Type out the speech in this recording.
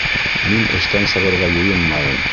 Мин эштән сығырға йыйынмайым